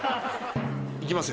行きます